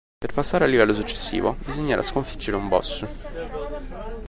Per passare al livello successivo, bisognerà sconfiggere un boss.